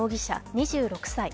２６歳。